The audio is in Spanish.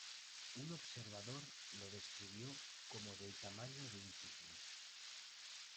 Un observador lo describió como del tamaño de un cisne.